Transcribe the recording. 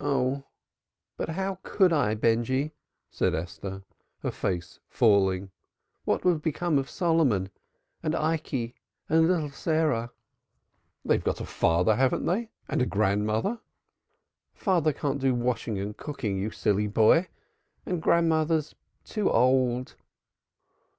"Oh, how could I, Benjy?" said Esther, her face falling. "What would become of Solomon and Ikey and little Sarah?" "They've got a father, haven't they? and a grandmother?" "Father can't do washing and cooking, you silly boy! And grandmother's too old."